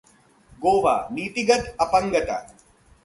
गोवाःनीतीगत अपंगता